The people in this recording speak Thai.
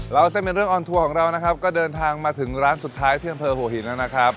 เส้นเป็นเรื่องออนทัวร์ของเรานะครับก็เดินทางมาถึงร้านสุดท้ายที่อำเภอหัวหินแล้วนะครับ